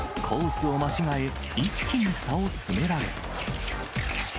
コースを間違え、一気に差を詰められ。